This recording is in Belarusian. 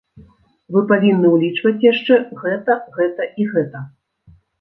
Вы павінны ўлічваць яшчэ гэта, гэта і гэта!